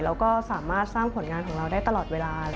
แล้วก็สามารถสร้างผลงานของเราได้ตลอดเวลา